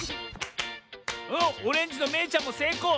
おっオレンジのめいちゃんもせいこう！